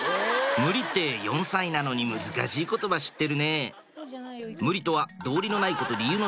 無理って４歳なのに難しい言葉知ってるね